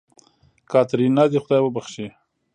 کاتېرينا دې خداى وبښي.